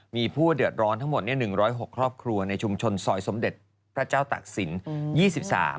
มีผู้เดือดร้อนทั้งหมด๑๐๖ครอบครัวในชุมชนซอยสมเด็จพระเจ้าตักศิลป์